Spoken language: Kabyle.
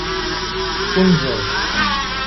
Teffunzer.